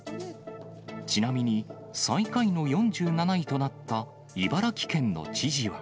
ちなみに、最下位の４７位となった茨城県の知事は。